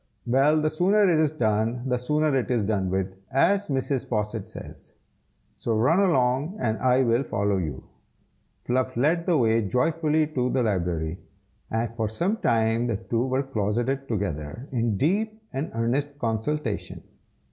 "Well, the sooner it is done the sooner it is done with, as Mrs. Posset says. So run along, and I will follow you." Fluff led the way joyfully to the library, and for some time the two were closeted together, in deep and earnest consultation.